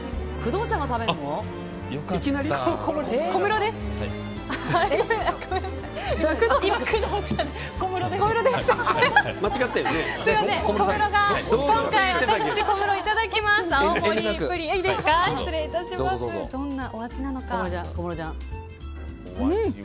どんなお味なのか。